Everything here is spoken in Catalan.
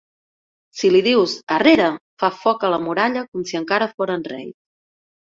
Si li dius "arrere!" fa lloc a la muralla com si encara foren reis.